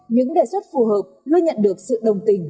những đề xuất phù hợp luôn nhận được sự đồng tình